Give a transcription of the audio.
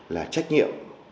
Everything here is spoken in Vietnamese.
là trách nhiệm